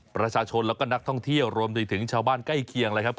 ประชาชนแล้วก็นักท่องเที่ยวรวมไปถึงชาวบ้านใกล้เคียงเลยครับ